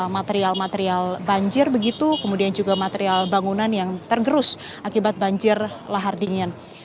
material material banjir begitu kemudian juga material bangunan yang tergerus akibat banjir lahar dingin